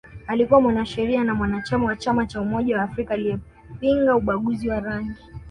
Alikuwa mwanasheria na mwanachama wa Chama cha umoja wa Afrika aliyepinga ubaguzi wa rangi